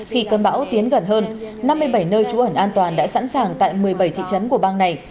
khi cơn bão tiến gần hơn năm mươi bảy nơi trú ẩn an toàn đã sẵn sàng tại một mươi bảy thị trấn của bang này